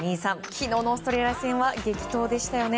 昨日のオーストラリア戦は激闘でしたよね。